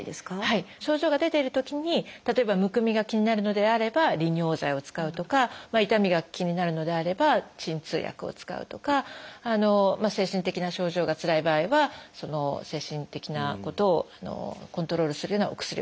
症状が出ているときに例えばむくみが気になるのであれば利尿剤を使うとか痛みが気になるのであれば鎮痛薬を使うとか精神的な症状がつらい場合は精神的なことをコントロールするようなお薬を使う。